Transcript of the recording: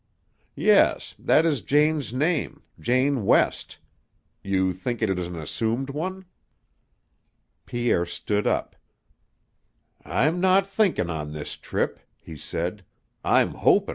"Yes. That is Jane's name Jane West. You think it is an assumed one?" Pierre stood up. "I'm not thinkin' on this trip," he said; "I'm hopin'."